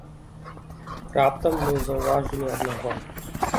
Раптам мы заўважылі аднаго.